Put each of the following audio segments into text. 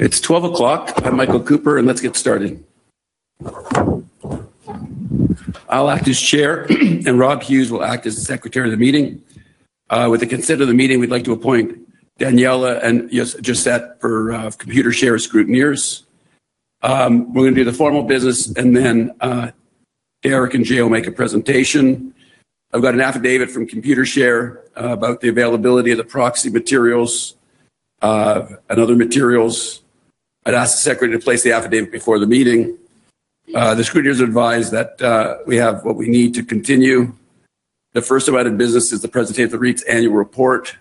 It's 12 o'clock. I'm Michael Cooper, and let's get started. I'll act as chair and Rob Hughes will act as the secretary of the meeting. With the consent of the meeting, we'd like to appoint Daniela and Josette for Computershare scrutineers. We're going to do the formal business, and then Derrick and Jay will make a presentation. I've got an affidavit from Computershare about the availability of the proxy materials and other materials. I'd ask the secretary to place the affidavit before the meeting. The scrutineers advise that we have what we need to continue. The first item of business is the presentation of the REIT's annual report.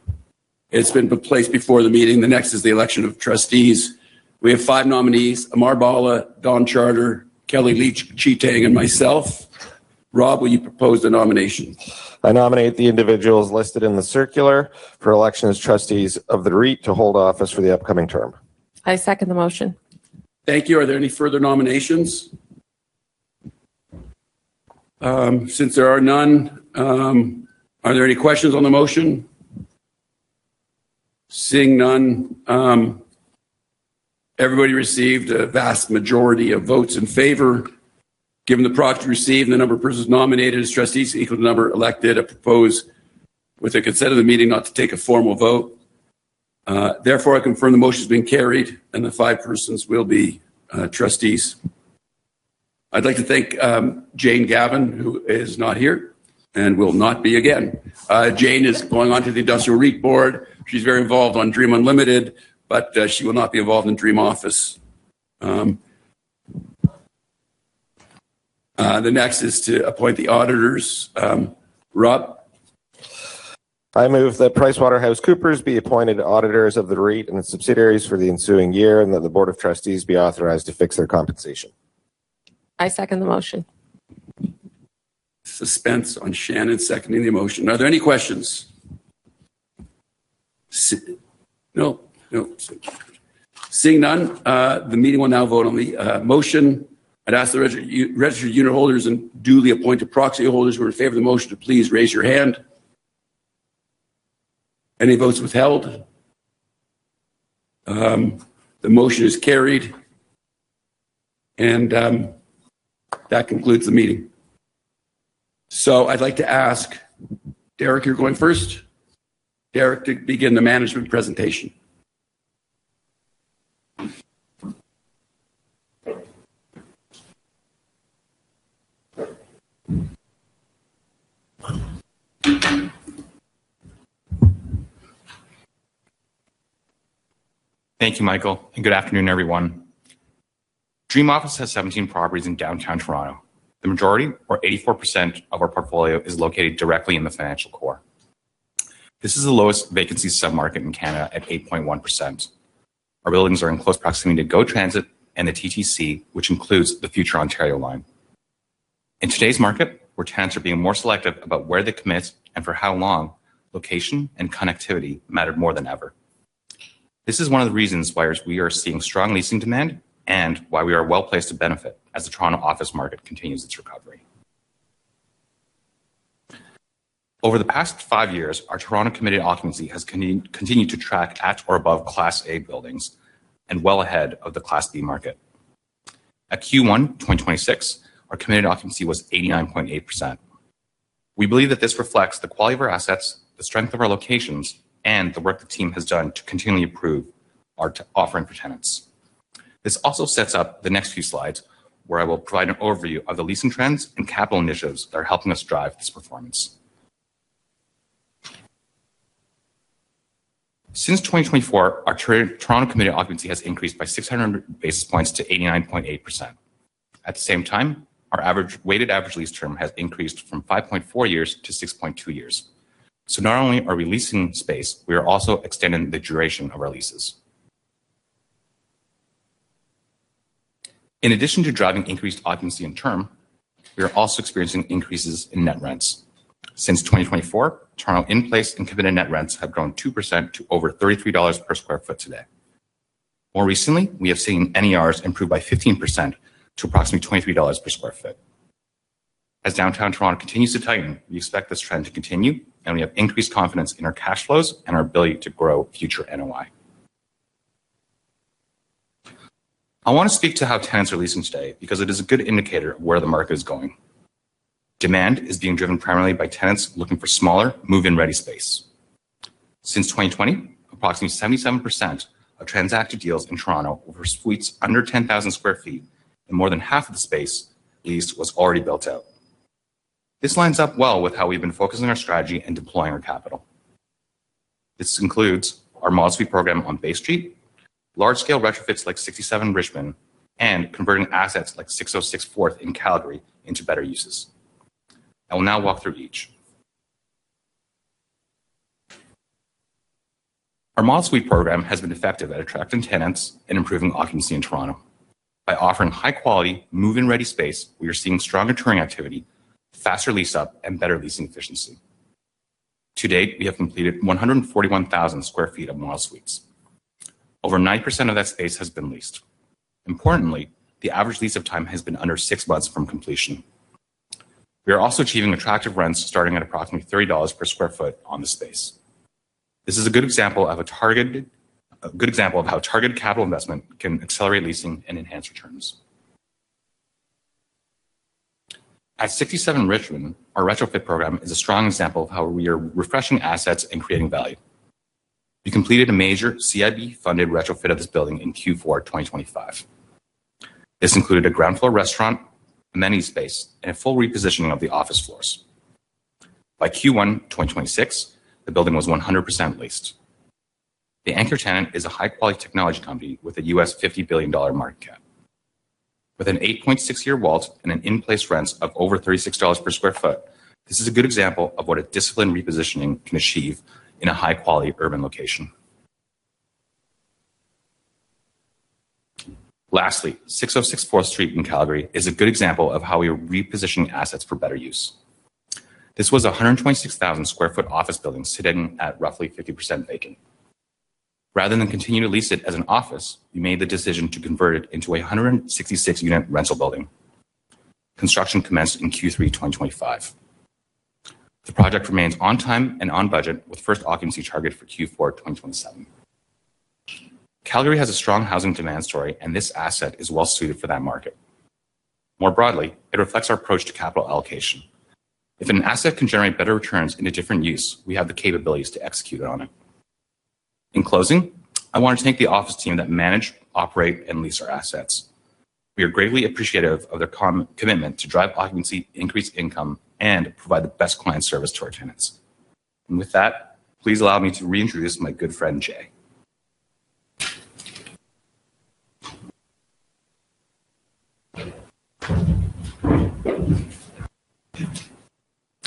It's been placed before the meeting. The next is the election of trustees. We have five nominees, Amar Bhalla, Don Charter, Kellie Leitch, Qi Tang, and myself. Rob, will you propose the nomination? I nominate the individuals listed in the circular for election as trustees of the REIT to hold office for the upcoming term. I second the motion. Thank you. Are there any further nominations? Since there are none, are there any questions on the motion? Seeing none. Everybody received a vast majority of votes in favor. Given the proxy received and the number of persons nominated as trustees equal the number elected, I propose with the consent of the meeting not to take a formal vote. I confirm the motion's been carried and the five persons will be trustees. I'd like to thank Jane Gavan, who is not here and will not be again. Jane is going on to the Industrial REIT board. She's very involved in Dream Unlimited, she will not be involved in Dream Office. The next is to appoint the auditors. Rob? I move that PricewaterhouseCoopers be appointed auditors of the REIT and its subsidiaries for the ensuing year, and that the Board of Trustees be authorized to fix their compensation. I second the motion. Suspense on Shannon seconding the motion. Are there any questions? No. Seeing none, the meeting will now vote on the motion. I'd ask the registered unitholders and duly appointed proxy holders who are in favor of the motion to please raise your hand. Any votes withheld? The motion is carried and that concludes the meeting. I'd like to ask, Derrick, you're going first, Derrick, to begin the management presentation. Thank you, Michael. Good afternoon, everyone. Dream Office has 17 properties in downtown Toronto. The majority, or 84% of our portfolio, is located directly in the financial core. This is the lowest vacancy sub-market in Canada at 8.1%. Our buildings are in close proximity to GO Transit and the TTC, which includes the future Ontario Line. In today's market, where tenants are being more selective about where they commit and for how long, location and connectivity matter more than ever. This is one of the reasons why we are seeing strong leasing demand and why we are well-placed to benefit as the Toronto office market continues its recovery. Over the past five years, our Toronto committed occupancy has continued to track at or above Class A buildings and well ahead of the Class B market. At Q1 2026, our committed occupancy was 89.8%. We believe that this reflects the quality of our assets, the strength of our locations, and the work the team has done to continually improve our offering for tenants. This also sets up the next few slides, where I will provide an overview of the leasing trends and capital initiatives that are helping us drive this performance. Since 2024, our Toronto committed occupancy has increased by 600 basis points to 89.8%. At the same time, our weighted average lease term has increased from 5.4 years to 6.2 years. Not only are we leasing space, we are also extending the duration of our leases. In addition to driving increased occupancy and term, we are also experiencing increases in net rents. Since 2024, Toronto in-place and committed net rents have grown 2% to over 33 dollars per sq ft today. More recently, we have seen NERs improve by 15% to approximately 23 dollars per sq ft. As downtown Toronto continues to tighten, we expect this trend to continue, and we have increased confidence in our cash flows and our ability to grow future NOI. I want to speak to how tenants are leasing today because it is a good indicator of where the market is going. Demand is being driven primarily by tenants looking for smaller, move-in-ready space. Since 2020, approximately 77% of transacted deals in Toronto were for suites under 10,000 sq ft, and more than half of the space leased was already built out. This lines up well with how we've been focusing our strategy and deploying our capital. This includes our Modsuite program on Bay Street, large-scale retrofits like 67 Richmond, and converting assets like 606 Fourth in Calgary into better uses. I will now walk through each. Our Modsuite program has been effective at attracting tenants and improving occupancy in Toronto. By offering high-quality, move-in-ready space, we are seeing strong touring activity, faster lease-up, and better leasing efficiency. To date, we have completed 141,000 sq ft of Modsuites. Over 9% of that space has been leased. Importantly, the average lease of time has been under six months from completion. We are also achieving attractive rents starting at approximately 30 dollars per sq ft on the space. This is a good example of how targeted capital investment can accelerate leasing and enhance returns. At 67 Richmond, our retrofit program is a strong example of how we are refreshing assets and creating value. We completed a major CIB-funded retrofit of this building in Q4 2025. This included a ground floor restaurant, amenity space, and a full repositioning of the office floors. By Q1 2026, the building was 100% leased. The anchor tenant is a high-quality technology company with a US $50 billion market cap. With an 8.6 year WALT and an in-place rent of over 36 dollars per sq ft, this is a good example of what a disciplined repositioning can achieve in a high-quality urban location. Lastly, 606 4th Street in Calgary is a good example of how we are repositioning assets for better use. This was a 126,000 sq ft office building sitting at roughly 50% vacant. Rather than continue to lease it as an office, we made the decision to convert it into 166-unit rental building. Construction commenced in Q3 2025. The project remains on time and on budget, with first occupancy targeted for Q4 2027. Calgary has a strong housing demand story, and this asset is well suited for that market. More broadly, it reflects our approach to capital allocation. If an asset can generate better returns in a different use, we have the capabilities to execute on it. In closing, I want to thank the office team that manage, operate, and lease our assets. We are greatly appreciative of their commitment to drive occupancy, increase income, and provide the best client service to our tenants. With that, please allow me to reintroduce my good friend, Jay.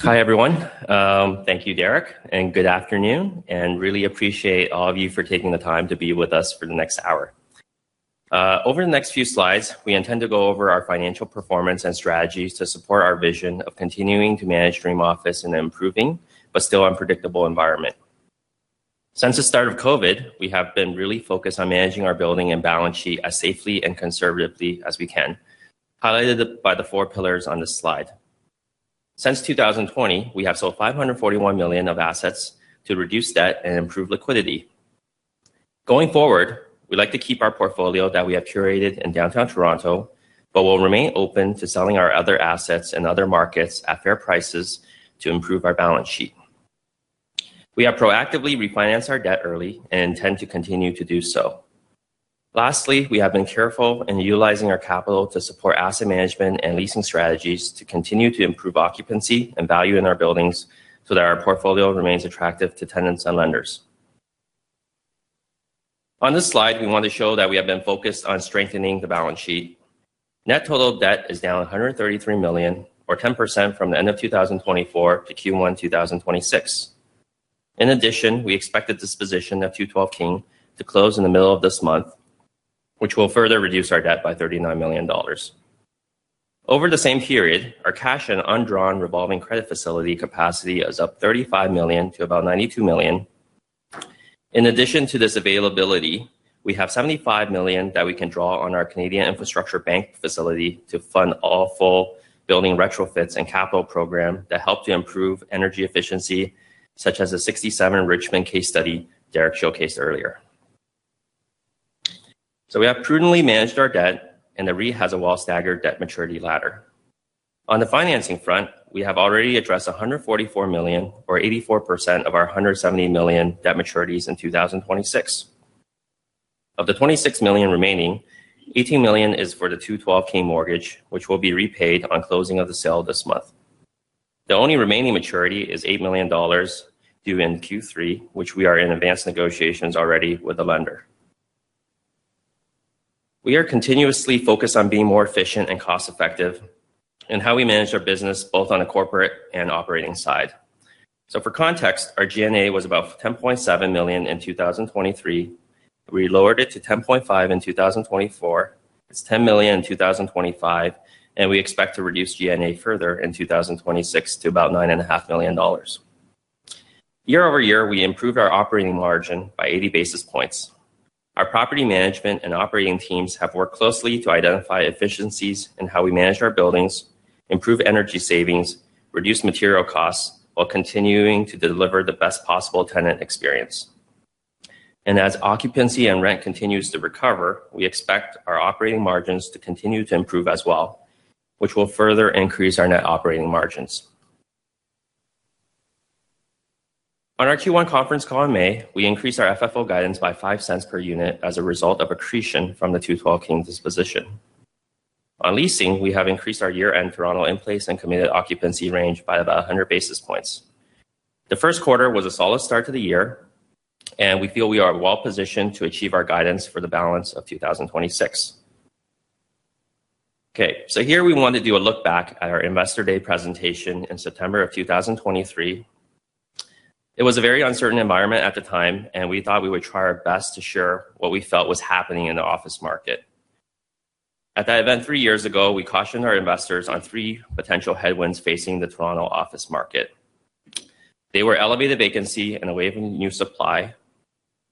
Hi, everyone. Thank you, Derrick, good afternoon, and really appreciate all of you for taking the time to be with us for the next hour. Over the next few slides, we intend to go over our financial performance and strategies to support our vision of continuing to manage Dream Office in an improving but still unpredictable environment. Since the start of COVID, we have been really focused on managing our building and balance sheet as safely and conservatively as we can, highlighted by the four pillars on this slide. Since 2020, we have sold 541 million of assets to reduce debt and improve liquidity. Going forward, we'd like to keep our portfolio that we have curated in downtown Toronto, but we'll remain open to selling our other assets in other markets at fair prices to improve our balance sheet. We have proactively refinanced our debt early and intend to continue to do so. Lastly, we have been careful in utilizing our capital to support asset management and leasing strategies to continue to improve occupancy and value in our buildings so that our portfolio remains attractive to tenants and lenders. On this slide, we want to show that we have been focused on strengthening the balance sheet. Net total debt is down 133 million, or 10% from the end of 2024 to Q1 2026. In addition, we expect the disposition of 212 King to close in the middle of this month, which will further reduce our debt by 39 million dollars. Over the same period, our cash and undrawn revolving credit facility capacity is up 35 million to about 92 million. In addition to this availability, we have 75 million that we can draw on our Canada Infrastructure Bank facility to fund all full building retrofits and capital program that help to improve energy efficiency, such as the 67 Richmond case study Derrick showcased earlier. We have prudently managed our debt, and the REIT has a well-staggered debt maturity ladder. On the financing front, we have already addressed 144 million or 84% of our 170 million debt maturities in 2026. Of the 26 million remaining, 18 million is for the 212 King mortgage, which will be repaid on closing of the sale this month. The only remaining maturity is 8 million dollars due in Q3, which we are in advanced negotiations already with the lender. We are continuously focused on being more efficient and cost-effective in how we manage our business, both on a corporate and operating side. For context, our G&A was about 10.7 million in 2023. We lowered it to 10.5 million in 2024. It's 10 million in 2025, and we expect to reduce G&A further in 2026 to about 9.5 million dollars. Year-over-year, we improved our operating margin by 80 basis points. Our property management and operating teams have worked closely to identify efficiencies in how we manage our buildings, improve energy savings, reduce material costs, while continuing to deliver the best possible tenant experience. As occupancy and rent continues to recover, we expect our operating margins to continue to improve as well, which will further increase our net operating margins. On our Q1 conference call in May, we increased our FFO guidance by 0.05 per unit as a result of accretion from the 212 King disposition. On leasing, we have increased our year-end Toronto in-place and committed occupancy range by about 100 basis points. The Q1 was a solid start to the year, and we feel we are well-positioned to achieve our guidance for the balance of 2026. Here we want to do a look back at our Investor Day presentation in September of 2023. It was a very uncertain environment at the time, and we thought we would try our best to share what we felt was happening in the office market. At that event three years ago, we cautioned our investors on three potential headwinds facing the Toronto office market. They were elevated vacancy and a wave of new supply,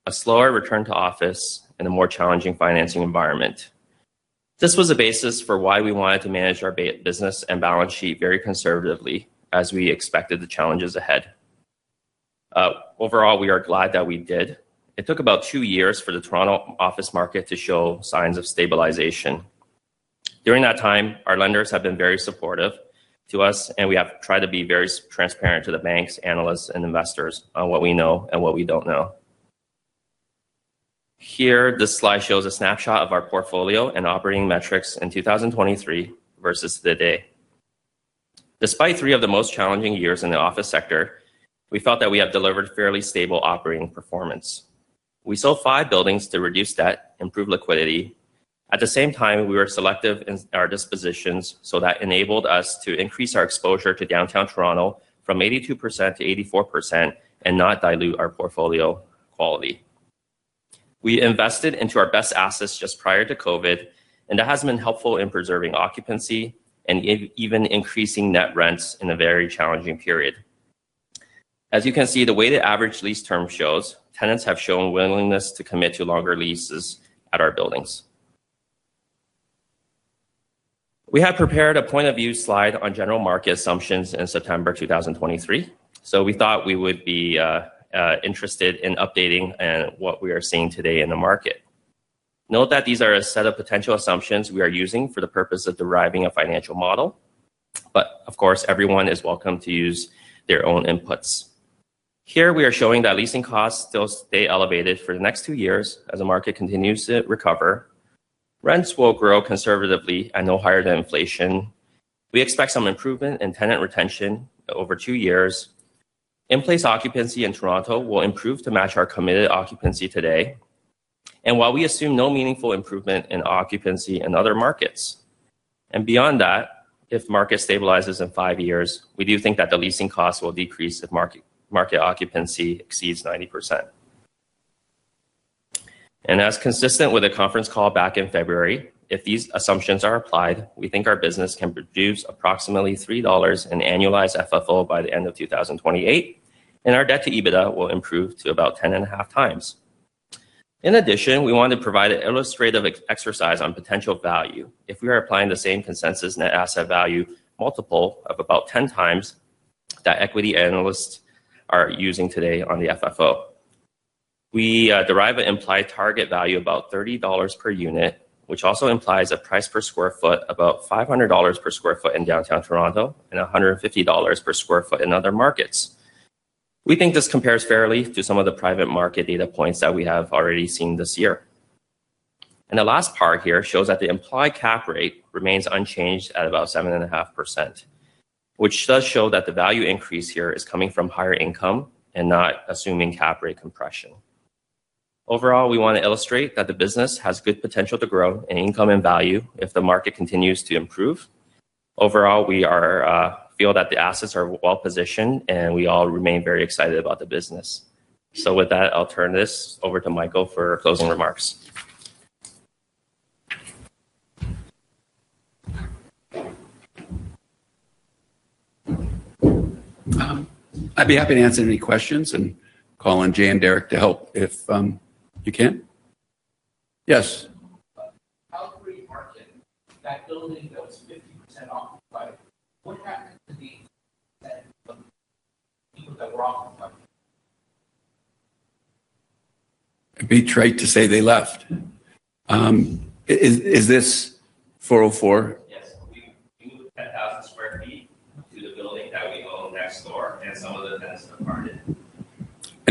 a slower return to office, and a more challenging financing environment. This was a basis for why we wanted to manage our business and balance sheet very conservatively as we expected the challenges ahead. Overall, we are glad that we did. It took about two years for the Toronto office market to show signs of stabilization. During that time, our lenders have been very supportive to us, and we have tried to be very transparent to the banks, analysts, and investors on what we know and what we don't know. Here, this slide shows a snapshot of our portfolio and operating metrics in 2023 versus today. Despite three of the most challenging years in the office sector, we felt that we have delivered fairly stable operating performance. We sold five buildings to reduce debt, improve liquidity. At the same time, we were selective in our dispositions so that enabled us to increase our exposure to Downtown Toronto from 82%-84% and not dilute our portfolio quality. We invested into our best assets just prior to COVID, and that has been helpful in preserving occupancy and even increasing net rents in a very challenging period. As you can see, the weighted average lease term shows tenants have shown willingness to commit to longer leases at our buildings. We have prepared a point-of-view slide on general market assumptions in September 2023. We thought we would be interested in updating what we are seeing today in the market. Note that these are a set of potential assumptions we are using for the purpose of deriving a financial model. Of course, everyone is welcome to use their own inputs. Here we are showing that leasing costs still stay elevated for the next two years as the market continues to recover. Rents will grow conservatively and no higher than inflation. We expect some improvement in tenant retention over two years. In-place occupancy in Toronto will improve to match our committed occupancy today. While we assume no meaningful improvement in occupancy in other markets, beyond that, if market stabilizes in five years, we do think that the leasing costs will decrease if market occupancy exceeds 90%. As consistent with a conference call back in February, if these assumptions are applied, we think our business can produce approximately 3 dollars in annualized FFO by the end of 2028, and our debt to EBITDA will improve to about 10.5x. We want to provide an illustrative exercise on potential value if we are applying the same consensus net asset value multiple of about 10x that equity analysts are using today on the FFO. We derive an implied target value about 30 dollars per unit, which also implies a price per sq ft about 500 dollars per sq ft in downtown Toronto and 150 dollars per sq ft in other markets. We think this compares fairly to some of the private market data points that we have already seen this year. The last part here shows that the implied cap rate remains unchanged at about 7.5%, which does show that the value increase here is coming from higher income and not assuming cap rate compression. We want to illustrate that the business has good potential to grow in income and value if the market continues to improve. Overall, we feel that the assets are well-positioned, and we all remain very excited about the business. With that, I'll turn this over to Michael for closing remarks. I'd be happy to answer any questions and call on Jay and Derrick to help if you can. Yes. How can we market that building that was 50% occupied? What happened to the people that were occupied? It'd be trite to say they left. Is this 404?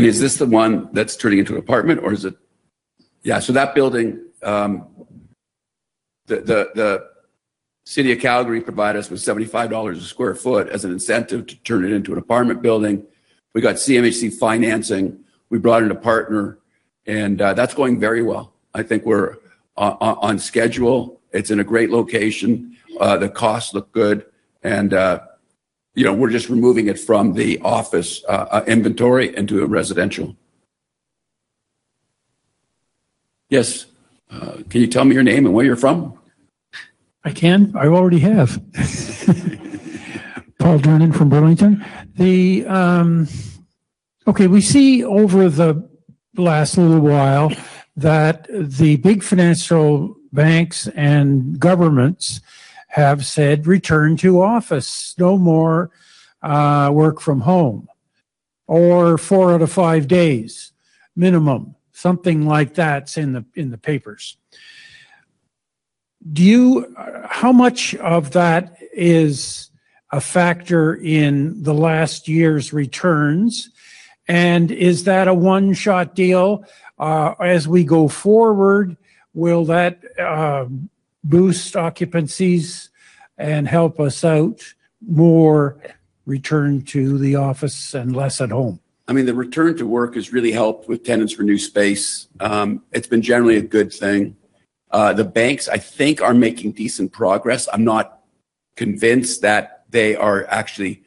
Yes. We moved 10,000 sq ft to the building that we own next door and some of that has departed. Is this the one that's turning into an apartment or is it? Yeah. That building, the City of Calgary provided us with CAD 75 a sq ft as an incentive to turn it into an apartment building. We got CMHC financing. We brought in a partner and that's going very well. I think we're on schedule. It's in a great location. The costs look good and we're just removing it from the office inventory into a residential. Yes. Can you tell me your name and where you're from? I can. I already have. Paul Durnin from Burlington. Okay. We see over the last little while that the big financial banks and governments have said return to office, no more work from home or four out of five days minimum, something like that's in the papers. How much of that is a factor in the last year's returns? Is that a one-shot deal as we go forward? Will that boost occupancies and help us out more return to the office and less at home? The return to work has really helped with tenants for new space. It's been generally a good thing. The banks, I think, are making decent progress. I'm not convinced that they are actually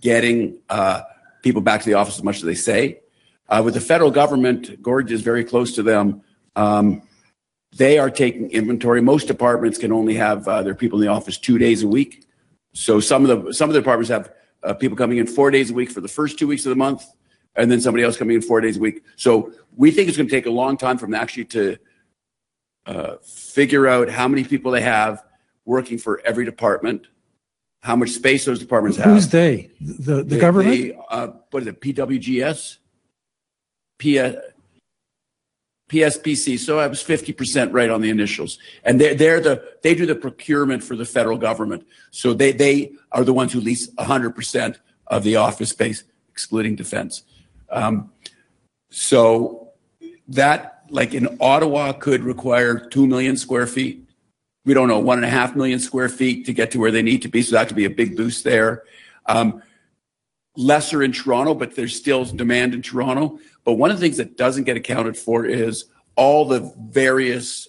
getting people back to the office as much as they say. With the federal government, George is very close to them. They are taking inventory. Most departments can only have their people in the office two days a week. Some of the departments have people coming in four days a week for the first two weeks of the month, and then somebody else coming in four days a week. We think it's going to take a long time for them actually to figure out how many people they have working for every department, how much space those departments have. Who's they? The government? They, what is it, PWGSC? PSPC. I was 50% right on the initials. They do the procurement for the federal government, so they are the ones who lease 100% of the office space, excluding defense. That, like in Ottawa, could require 2 million sq ft. We don't know, 1.5 million sq ft to get to where they need to be. That could be a big boost there. Lesser in Toronto, there's still demand in Toronto. One of the things that doesn't get accounted for is all the various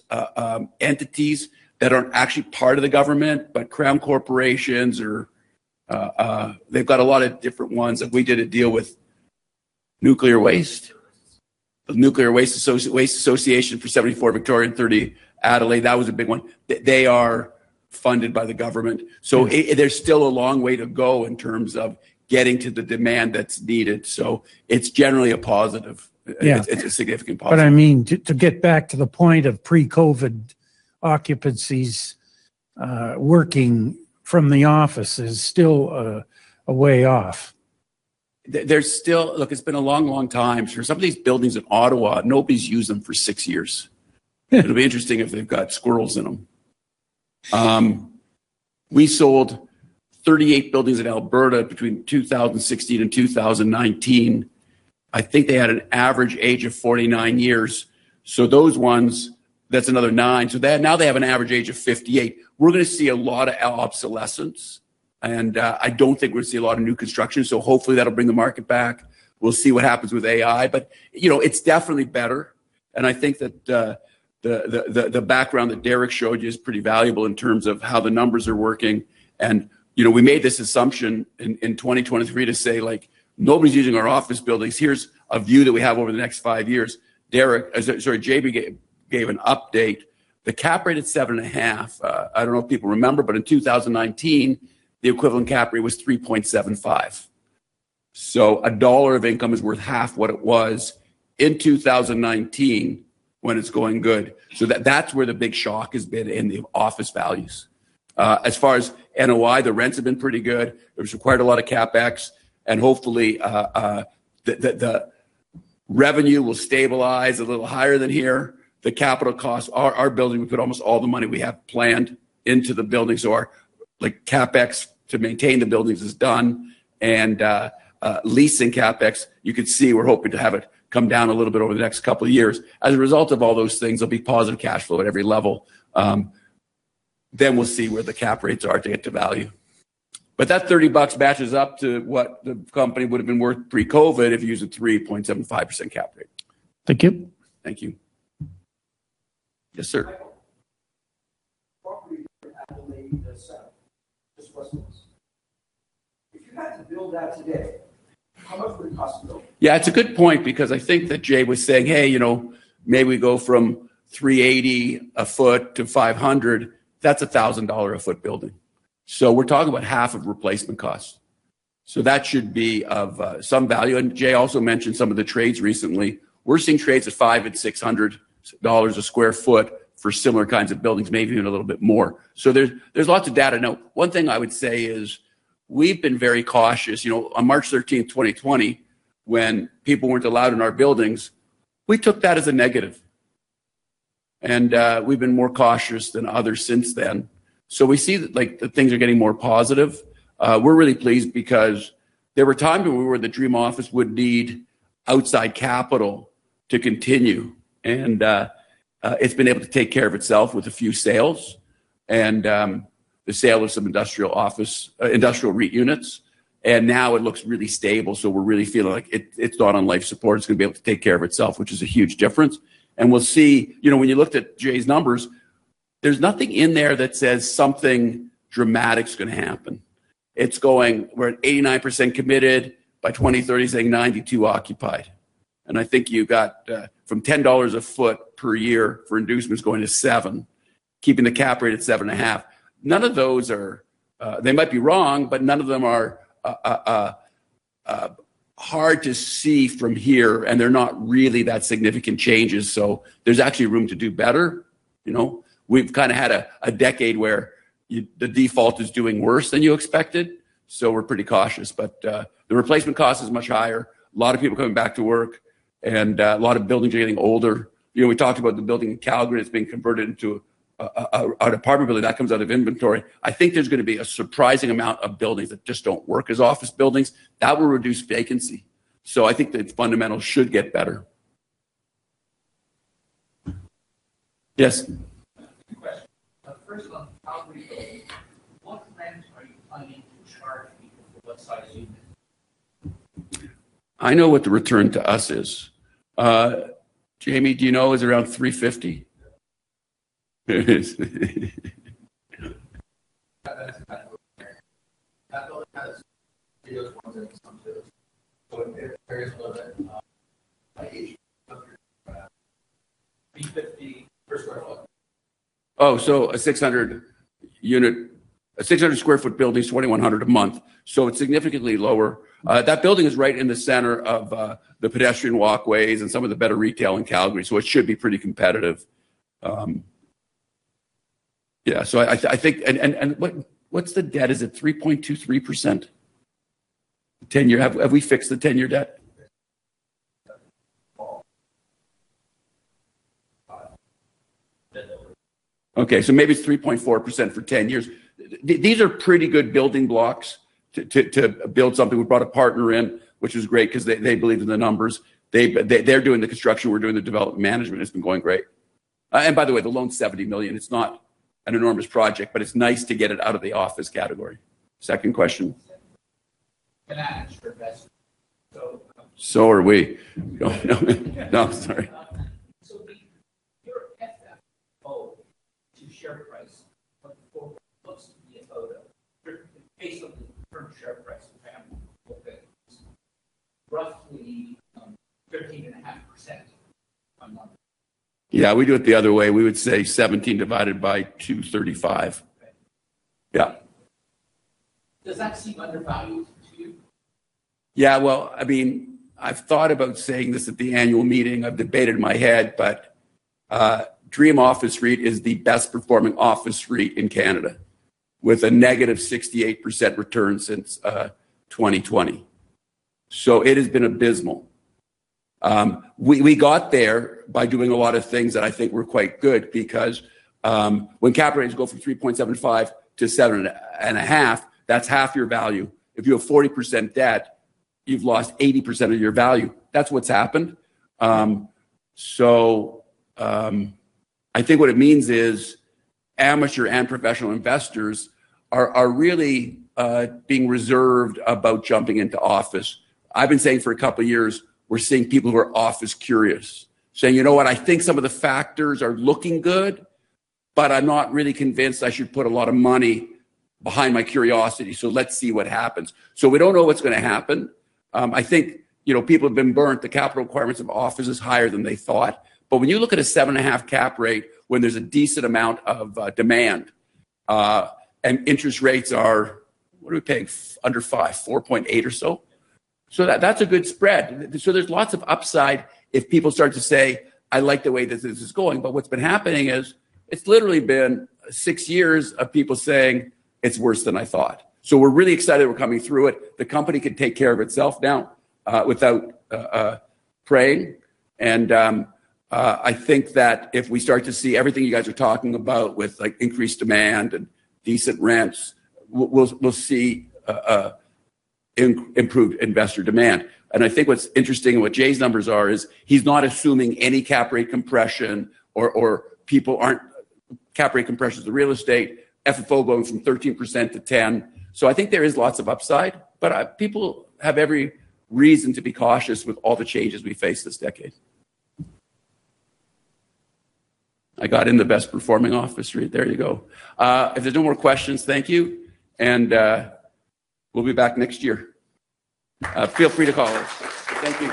entities that aren't actually part of the government, crown corporations or they've got a lot of different ones. Like we did a deal with Nuclear Waste? Nuclear Waste Management Organization. The Nuclear Waste Management Organization for 74 Victoria and 30 Adelaide. That was a big one. They are funded by the government. There's still a long way to go in terms of getting to the demand that's needed. It's generally a positive. Yeah. It's a significant positive. I mean, to get back to the point of pre-COVID occupancies, working from the office is still a way off. Look, it's been a long time. Sure, some of these buildings in Ottawa, nobody's used them for six years. Yeah. It'll be interesting if they've got squirrels in them. We sold 38 buildings in Alberta between 2016 and 2019. I think they had an average age of 49 years. Those ones, that's another nine. Now they have an average age of 58. We're going to see a lot of obsolescence, and I don't think we're going to see a lot of new construction. Hopefully, that'll bring the market back. We'll see what happens with AI, but it's definitely better, and I think that the background that Derrick showed you is pretty valuable in terms of how the numbers are working. We made this assumption in 2023 to say, "Nobody's using our office buildings. Here's a view that we have over the next five years." Derrick, sorry, Jay Jiang gave an update. The cap rate at 7.5, I don't know if people remember, in 2019, the equivalent cap rate was 3.75. A dollar of income is worth half what it was in 2019 when it's going good. That's where the big shock has been in the office values. As far as NOI, the rents have been pretty good, which required a lot of CapEx, hopefully the revenue will stabilize a little higher than here. The capital costs, our building, we put almost all the money we have planned into the buildings or CapEx to maintain the buildings is done. Leasing CapEx, you could see we're hoping to have it come down a little bit over the next couple of years. As a result of all those things, there'll be positive cash flow at every level. We'll see where the cap rates are to get to value. That 30 bucks matches up to what the company would've been worth pre-COVID if you use a 3.75% cap rate. Thank you. Thank you. Yes, sir. Michael. Property in Adelaide that set up, this questions. If you had to build that today, how much would it cost to build? It's a good point because I think that Jay was saying, "Hey, maybe we go from 380 a foot to 500." That's a 1,000 dollar a foot building. We're talking about half of replacement costs. Jay also mentioned some of the trades recently. We're seeing trades at 500 and 600 dollars a sq ft for similar kinds of buildings, maybe even a little bit more. There's lots of data. One thing I would say is we've been very cautious. On March 13th, 2020, when people weren't allowed in our buildings, we took that as a negative. We've been more cautious than others since then. We see that things are getting more positive. We are really pleased because there were times where Dream Office would need outside capital to continue, and it has been able to take care of itself with a few sales and the sale of some industrial REIT units, and now it looks really stable. We are really feeling like it is not on life support. It is going to be able to take care of itself, which is a huge difference. We will see, when you looked at Jay Jiang's numbers, there is nothing in there that says something dramatic is going to happen. We are at 89% committed. By 2030, saying 92 occupied. I think you got from 10 dollars a foot per year for inducements going to 7, keeping the cap rate at seven and a half. They might be wrong, but none of them are hard to see from here, and they're not really that significant changes, so there's actually room to do better. We've kind of had a decade where the default is doing worse than you expected, so we're pretty cautious. The replacement cost is much higher. A lot of people are coming back to work, and a lot of buildings are getting older. We talked about the building in Calgary that's being converted into an apartment building. That comes out of inventory. I think there's going to be a surprising amount of buildings that just don't work as office buildings. That will reduce vacancy. I think the fundamentals should get better. Yes. Question. First one, how are we doing? What rents are you planning to charge people for what size unit? I know what the return to us is. Jay Jiang, do you know? Is it around CAD 350? A 600 sq ft building is 2,100 a month, it's significantly lower. That building is right in the center of the pedestrian walkways and some of the better retail in Calgary, it should be pretty competitive. Yeah. What's the debt? Is it 3.23%? 10-year. Have we fixed the 10-year debt? Maybe it's 3.4% for 10 years. These are pretty good building blocks to build something. We brought a partner in, which is great because they believe in the numbers. They're doing the construction, we're doing the development. Management has been going great. By the way, the loan's 70 million. It's not an enormous project, it's nice to get it out of the office category. Second question. No, sorry. Your FFO to share price based on the current share price of Dream Office REIT roughly 13.5% a month. Yeah, we do it the other way. We would say 17 divided by 235. Okay. Yeah. Does that seem undervalued to you? Yeah, well, I've thought about saying this at the annual meeting. I've debated in my head, Dream Office REIT is the best performing office REIT in Canada with a -68% return since 2020. It has been abysmal. We got there by doing a lot of things that I think were quite good because when cap rates go from 3.75-7.5, that's half your value. If you have 40% debt, you've lost 80% of your value. That's what's happened. I think what it means is amateur and professional investors are really being reserved about jumping into office. I've been saying for a couple of years, we're seeing people who are office curious, saying, "You know what? I think some of the factors are looking good, but I'm not really convinced I should put a lot of money behind my curiosity. So let's see what happens." We don't know what's going to happen. I think people have been burnt. The capital requirements of office is higher than they thought. When you look at a 7.5 cap rate, when there's a decent amount of demand, and interest rates are, what are we paying, under five, 4.8 or so? That's a good spread. There's lots of upside if people start to say, "I like the way this is going." What's been happening is it's literally been six years of people saying, "It's worse than I thought." We're really excited we're coming through it. The company can take care of itself now, without praying. I think that if we start to see everything you guys are talking about with increased demand and decent rents, we'll see improved investor demand. I think what's interesting and what Jay's numbers are is he's not assuming any cap rate compression. Cap rate compression is a real estate, FFO going from 13%-10%. I think there is lots of upside, but people have every reason to be cautious with all the changes we face this decade. I got in the best performing office REIT. There you go. If there's no more questions, thank you. We'll be back next year. Feel free to call us. Thank you.